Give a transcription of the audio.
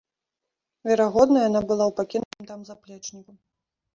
Верагодна, яна была ў пакінутым там заплечніку.